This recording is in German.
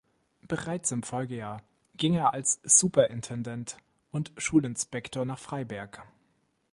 Bereits im Folgejahr ging er als Superintendent und Schulinspektor nach Freiberg.